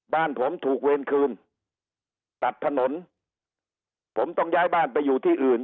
บ้านผมถูกเวรคืนตัดถนนผมต้องย้ายบ้านไปอยู่ที่อื่น